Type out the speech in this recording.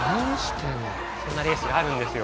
そんなレースがあるんですよ。